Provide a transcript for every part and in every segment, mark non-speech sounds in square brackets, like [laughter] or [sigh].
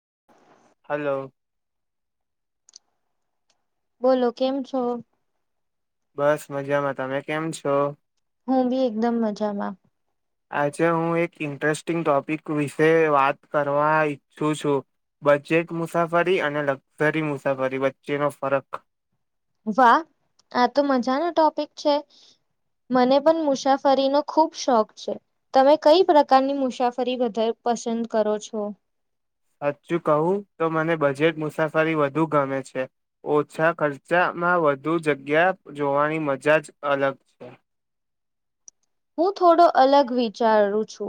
[inaudible] હાલો. બોલો કેમ છો. બસ મજામાં તમે કેમ છો હું બી એકદમ મજામાં આજે હું એક ઈન્ટ્રસ્ટિંગ ટોપિક વિશે વાત કરવા ઈચ્છું છું, બજેટ મુસાફરી અને લક્ઝરી મુસાફરી વચ્ચેનો ફરક. વાહ! આ તો મજાનો ટોપિક છે, મને પણ મુસાફરીનો ખુબ શોખ છે, તમે કઈ પ્રકારની મુસાફરી વધારે પસંદ કરો છો? સાચું કહું તો મને બજેટ મુસાફરી વધુ ગમે છે, ઓછા ખર્ચામાં વધુ જગ્યા જોવાની મજા જ અલગ છે. હું થોડો અલગ વિચારું છું,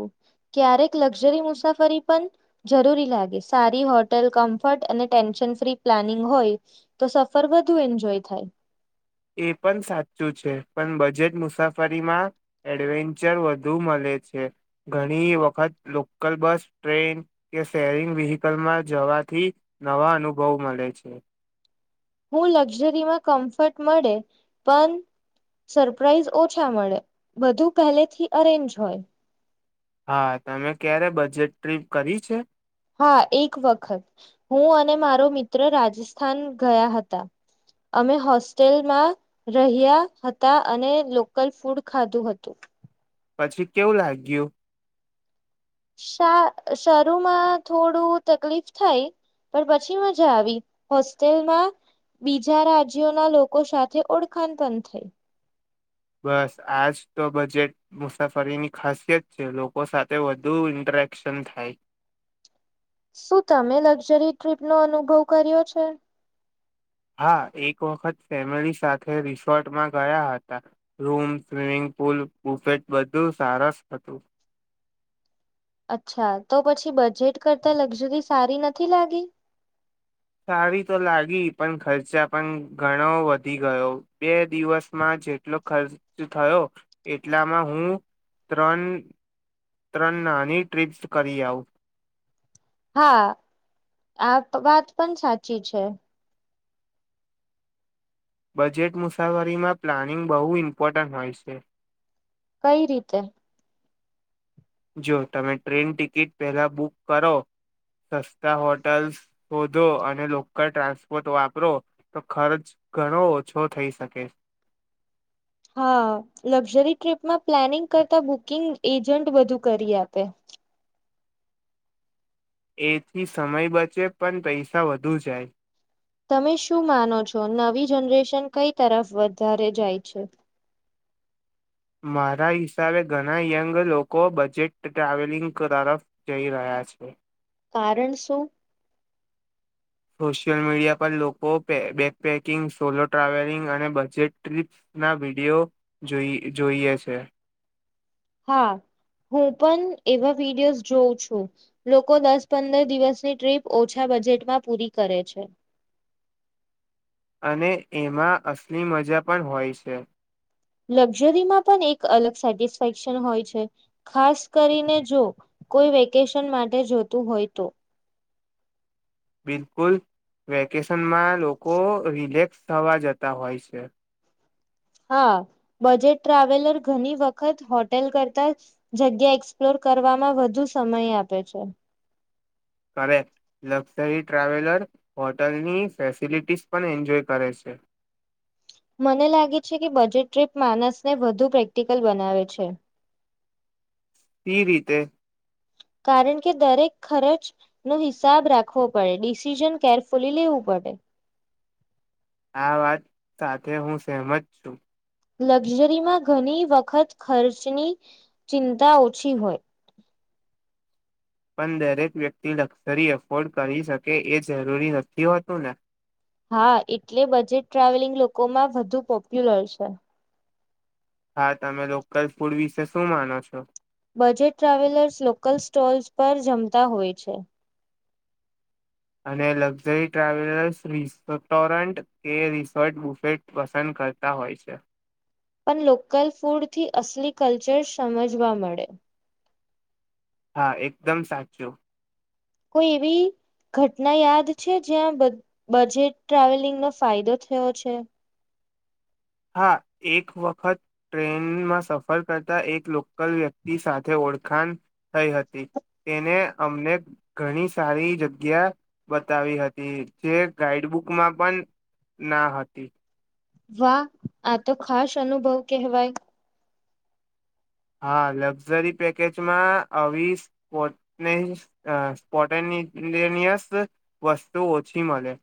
ક્યારેક લક્ઝરી મુસાફરી પન જરૂરી લાગે. સારી હોટલ કમ્ફર્ટ અને ટેન્શન ફ્રી પ્લાનિંગ હોય તો સફર વધુ એન્જોય થાય. એ પન સાચું છે, પન બજેટ મુસાફરીમાં એડવેન્ચર વધુ મલે છે, ઘણી વખત લોકલ બસ, ટ્રેન કે શેરિંગ વ્હીકલમાં જવાથી નવા અનુભવ મલે છે. હું લક્ઝરીમાં કમ્ફર્ટ મળે, પન સરપ્રાાઈઝ ઓછા મળે, બધું પહેલેથી અરેન્જ હોય. હા, તમે ક્યારે બજેટ ટ્રીપ કરી છે? હા, એક વખત. હું અને મારો મિત્ર રાજસ્થાન ગયા હતા, અમે હોસ્ટેલમાં રહ્યા હતા, અને લોકલ ફૂડ ખાધું હતું. પછી કેવું લાગ્યું? શા શરૂમાં થોડું તકલીફ થઈ, પર પછી મજા આવી. હોસ્ટેલમાં બીજા રાજ્યોના લોકો સાથે ઓળખણ પન થઈ. બસ આજ તો બજેટ મુસાફરીની ખાસિયત છે, લોકો સાથે વધુ ઇન્ટરેક્શન થાય. શું તમે લક્ઝરી ટ્રીપનો અનુભવ કર્યો છે? હા, એક વખત ફેમિલી સાથે રિસોર્ટમાં ગયા હતા, રૂમ, સ્વિમિંગ પુલ, બુફેટ બધું સારસ હતું. અચ્છા, તો પછી બજેટ કરતા લક્ઝરી સારી નથી લાગી? સારી તો લાગી પન ખર્ચા પન ઘણો વધી ગયો બે દિવસમાં જેટલો ખર્ચ થયો એટલામાં હું તત્રન ત્રન નાની ટ્ર્રીપ્સ કરી આવું. હા, આ ત વાત પન સાચી છે. બજેટ મુસાફરીમાં પ્લાનિંગ બહુ ઇમ્પોર્ટન્ટ હોય છે. કઈ રીતે? જો તમે ટ્રેન ટિકિટ પહેલા બુક કરો, સસ્તા હોટલ્સ હોધો અને લોકલ ટ્રાન્સપોર્ટ વાપરો, તો ખરચ ઘણો ઓછો થઈ શકે. હા, લક્ઝરી ટ્રીપમાં પ્લાનિંગ કરતા બુકિંગ એજન્ટ બધું કરી આપે. એથી સમય બચે પન પૈસા વધુ જાય. તમે શું માનો છો? નવી જનરેશન કઈ તરફ વધારે જાય છે. મારા હિસાબે ઘના યંગ લોકો બજેટ ટ્રાવેલિંગ તરફ જઈ રહ્યા છે. કારન શું? સોશિયલ મીડિયા પર લોકો બે બેકપેકિંગ, સોલો ટ્રાવેલિંગ અને બજેટ ટ્રિપ્સના વીડિયો જોઈ જોઈએ છે. હા, હું પન એવા વિડીયોઝ જોઉં છું, લોકો દસ પંદર દિવસની ટ્રીપ ઓછા બજેટમાં પૂરી કરે છે. અને એમાં અસલી મજા પણ હોય છે. લક્ઝરીમાં પન એક અલગ સેટિસ્ફેક્શન હોય છે, ખાસ કરીને જો કોઈ વેકેશન માટે જોતું હોય તો. બિલકુલ, વેકેશનમાં લોકો રિલેક્સ થવા જતા હોય છે. હા, બજેટ ટ્રાવેલર ઘની વખત હોટેલ કરતા જગ્યા એક્સપ્લોર કરવામાં વધુ સમય આપે છે. કરેક્ટ, લક્ઝરી ટ્રાવેલર હોટલની ફેસિલિટીઝ પન એન્જોય કરે છે. મને લાગે છે કે બજેટ ટ્રીપ માનસને વધુ પ્રેક્ટિકલ બનાવે છે. કી રીતે? કારન કે દરેક ખરચનો હિસાબ રાખવો પડે ડિસિઝન કેરફુલી લેવું પડે. આ વાત સાથે હું સેહમત છું. લક્ઝરીમાં ઘની વખત ખર્ચની ચિંતા ઓછી હોય. પન દરેક વ્યક્તિ લક્સરી એફોર્ડ કરી શકે એ જરૂરી નથી હોતું ને? હા, એટલે બજેટ ટ્રાવેલિંગ લોકોમાં વધુ પોપ્યુલર છે. હા, તમે લોકલ ફૂડ વિશે શું માનો છો? બજેટ ટ્રાવેલર્સ લોકલ સ્ટોલ્સ પર જમતા હોય છે. અને લક્ઝરી ટ્રાવેલર્સ રિસસ્ટોરન્ટ કે રિસોર્ટ બુફેટ પસંદ કરતા હોય છે. પન લોકલ ફૂડથી અસલી કલ્ચર સમજવા મળે. હા એકદમ સાચું. કોઈ એવી ઘટના યાદ છે, જ્યાં બ બજેટ ટ્રાવેલિંગનો ફાયદો થયો છે. હા, એક વખત ટ્રેનમાં સફર કરતા એક લોકલ વ્યક્તિ સાથે ઓળખાણ થઈ હતી, તેને અમને ઘણી સારી જગ્યા બતાવી હતી જે ગાઈડબુકમાં પણ ના હતી. વાહ! આ તો ખાસ અનુભવ કેહવાય. હા, લક્ઝરી પેકેજમાં આવી સ્પોટનેશ અ સ્પોટેલેનિયસ વસ્તુ ઓછી મળે.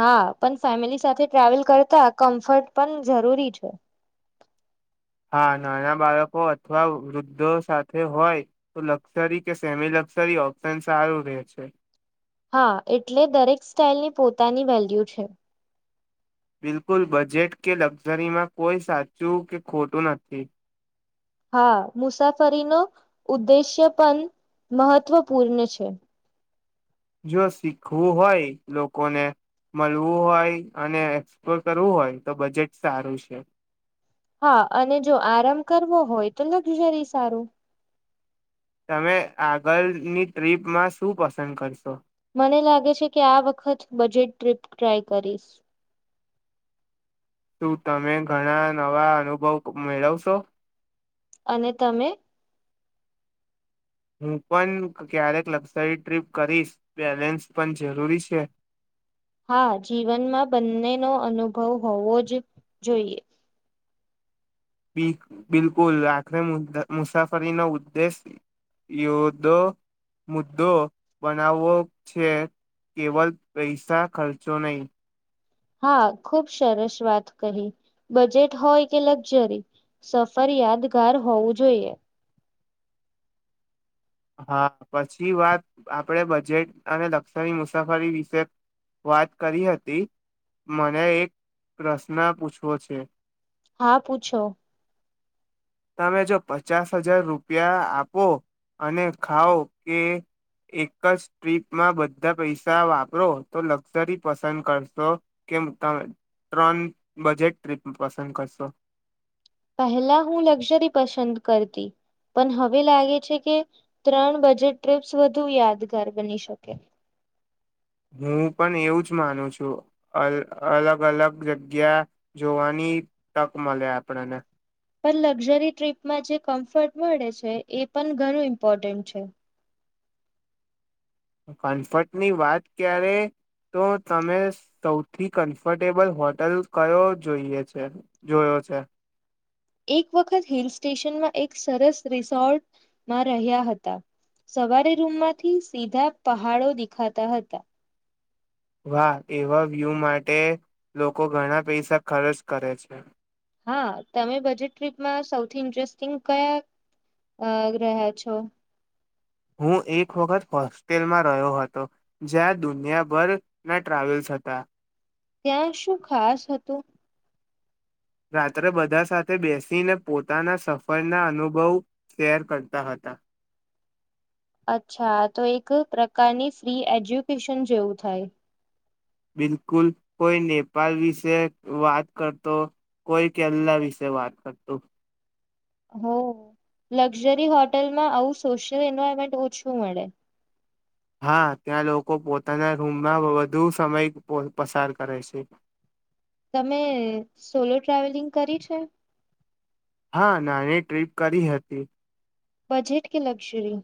હા, પના ફેમિલી સાથે ટ્રાવેલ કરતા કમ્ફર્ટ પન જરૂરી છે. હા, નાના બાળકો અથવા વૃદ્ધો સાથે હોય તો લક્સરી કે સેમી લક્સરી ઓપ્શન સારું રેહ છે. હા, એટલે દરેક સ્ટાાઈલની પોતાની વેલ્યુ છે. બિલકુલ બજેટ કે લક્ઝરીમાં કોઈ સાચું કે ખોટું નથી. હા મુસાફરીનો ઉદ્દેશ્ય પણ મહત્વપૂર્ણ છે. જો શીખવું હોય લોકોને મળવું હોય અને એક્સપ્લોર કરવું હોય તો બજેટ સારું છે. હા અને જો આરામ કરવો હોય તો લક્ઝરી સારું તમે આગળની ટ્ર્રીપમાં શું પસંદ કરશો મને લાગે છે કે આ વખત બજેટ ટ્રીપ ટ્રાય કરીશ શું તમે ઘણા નવા અનુભવ મેળવશો અને તમે હું પણ ક્યારેક લક્ઝરી ટ્રીપ કરીશ બેલેન્સ પણ જરૂરી છે. હા જીવનમાં બંનેનો અનુભવ હોવો જ જોઈએ. બિલકુલ આખરે મુસાફરીનો ઉદ્દેશ યોદો મુદ્દો બનાવવો છે કેવલ પૈસા ખર્ચો નહી હા ખુબ સરસ વાત કહી બજેટ હોય કે લક્ઝરી સફર યાદગાર હોવું જોઈએ. હા પછી વાત આપણે બજેટ અને લક્સરી મુસાફરી વિશે વાત કરી હતી મને એક પ્રશ્ન પૂછવો છે. હા પૂછો તમે જો પચાસ હજાર રૂપિયા આપો અને ખાઓ કે એક જ ટ્રીપમાં બધા પૈસા વાપરો તો લક્ઝરી પસંદ કરશો કેમ તમે ત્રણ બજેટ ટ્રીપ પસંદ કરશો પહેલા હું લક્ઝરી પસંદ કરતી પણ હવે લાગે છે કે ત્રણ બજેટ ટ્રીપ્સ વધુ યાદગાર બની શકે હું પણ એવું જ માનું છું અલગ અલગ જગ્યા જોવાની તક મળે આપણને પણ લક્ઝરી ટ્રીપમાં જે કમ્ફર્ટ મળે છે એ પણ ઘણું ઇમ્પોર્ટન્ટ છે. કમ્ફર્ટની વાત ક્યારે તો તમે સૌથી કમ્ફર્ટેબલ હોટલ કયો જોઈએ છે જોયો છે. એક વખત હિલ સ્ટેશનમાં એક સરસ રિસોર્ટમાં રહ્યા હતા સવારે રૂમમાંથી સીધા પહાડો દેખાતા હતા. વાહ એવા વ્યૂ માટે લોકો ઘણા પૈસા ખર્ચ કરે છે. હા તમે બજેટ ટ્રીપમાં સૌથી ઇન્ટરેસ્ટિંગ કયા રહ્યા છો. હું એક વખત હોસ્ટેલમાં રહ્યો હતો જ્યાં દુનિયાભરના ટ્રાવેલ્સ હતા. ત્યાં શું ખાસ હતું. રાત્રે બધા સાથે બેસીને પોતાના સફરના અનુભવ શેર કરતા હતા. અચ્છા તો એક પ્રકારની ફ્રી એજ્યુકેશન જેવું થાય. બિલકુલ કોઈ નેપાલ વિશે વાત કરતો કોઈ કેરલા વિશે વાત કરતો હો લક્ઝરી હોટેલમાં આવું સોશિયલ એન્વાયરમેન્ટ ઓછું મળે હા ત્યાં લોકો પોતાના રૂમમાં વધુ સમય પસાર કરે છે. તમે સોલો ટ્રાવેલિંગ કરી છે. હા નાની ટ્રીપ કરી હતી. બજેટ કે લગ્ઝરી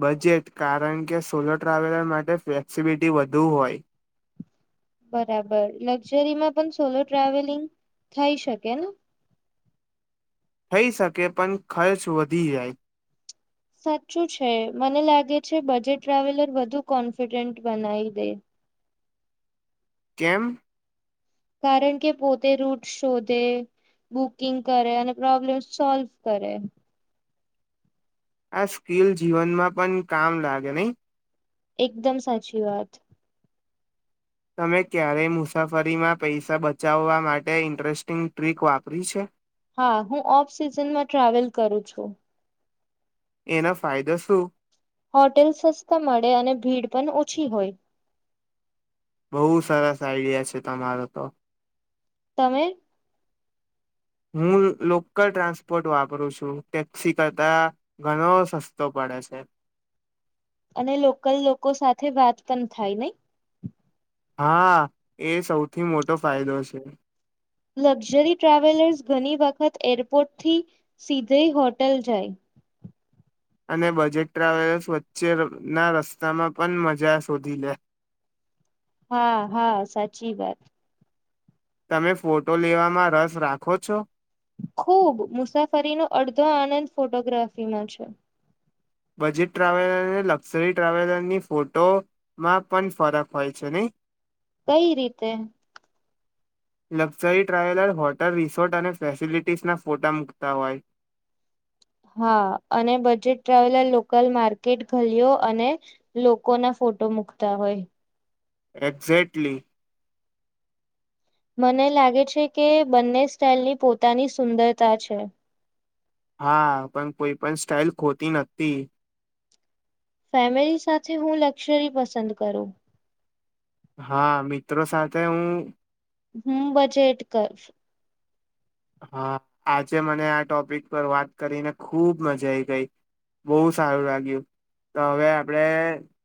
બજેટ કારણ કે સોલો ટ્રાવેલર માટે ફ્લેક્સિબિલિટી વધુ હોય. બરાબર લક્ઝરીમાં પણ સોલો ટ્રાવેલિંગ થઈ શકે ને થઈ શકે પણ ખર્ચ વધી જાય. સાચું છે મને લાગે છે બજેટ ટ્રાવેલર વધુ કોન્ફિડન્ટ બનાવી દે કેમ કારણ કે પોતે રૂટ શોધે બુકિંગ કરે અને પ્રોબ્લેમ સોલ્વ કરે. આ સ્કીિલ જીવનમાં પણ કામ લાગે નય એકદમ સાચી વાત તમે ક્યારેય મુસાફરીમાં પૈસા બચાવવા માટે ઈન્ટરેસ્ટિંગ ટ્રીક વાપરી છે. હા હું ઓફ સિઝનમાં ટ્રાવેલ કરું છું. એના ફાયદો શું હોટેલ સસ્તા મળે અને ભીડ પણ ઓછી હોય. બહુ સરસ આઈડિયા છે તમારો તો તમે હું લોકલ ટ્રાન્સપોર્ટ વાપરું છું ટેક્સી કરતા ઘણો સસ્તો પડે છે. અને લોકલ લોકો સાથે વાત પણ થાય નય હા એ સૌથી મોટો ફાયદો છે. લક્ઝરી ટ્રાવેલર્સ ઘણી વખત એરપોર્ટથી સીધઈ હોટલ જાય. અને બજેટ ટ્રાવેલર્સ વચ્ચે ના રસ્તામાં પણ મજા શોધી લે. હા, હા, સાચી વાત. તમે ફોટો લેવામાં રસ રાખો છો? ખુબ મુસાફરીનો અડધો આનંદ ફોટોગ્રાફીમાં છે. બજેટ ટ્રાવેલર અને લક્ઝરી ટ્રાવેલરની ફોટોમાં પણ ફરક હોય છે નહીં? કઈ રીતે? લક્ઝરી ટ્રાવેલર હોટલ, રિસોર્ટ અને ફેસિલિટીઝના ફોટા મૂકતા હોય. હા, અને બજેટ ટ્રાવેલર લોકલ માર્કેટ, ગલીઓ અને લોકો ના ફોટો મુૂકતા હોય. એક્ઝેક્ટલી. મને લાગે છે કે બંને સ્ટાઈલની પોતાની સુંદરતા છે. હા, પણ કોઈ પણ સ્ટાઇલ ખોતી નથી. ફેમિલી સાથે હું લક્સરી પસંદ કરું. હા, મિત્રો સાથે હું હું બજેટ કરુ. હા, આજે મને આ ટોપિક પર વાત કરીને ખુબ મજા આઈ ગઈ, બહુ સારું લાગ્યું, તો હવે આપણેે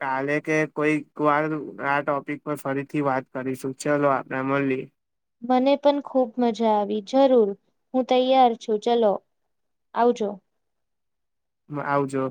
કાલે કે કોઈક વાર આ ટોપિક પર ફરીથી વાત કરીશું, ચલો આપણેે મળીએ. મને પણ ખુબ મજા આવી, જરૂર હું તૈયાર છુ, ચલો આવજો. હ, આવજો.